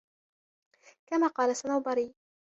كَمَا قَالَ الصَّنَوْبَرِيُّ